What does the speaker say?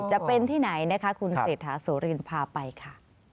จะเป็นที่ไหนนะคะคุณเศรษฐาโสรินพาไปค่ะ